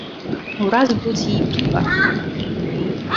Ураз будзе і піва!